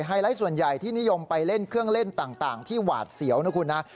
ไลท์ส่วนใหญ่ที่นิยมไปเล่นเครื่องเล่นต่างที่หวาดเสียวนะคุณนะ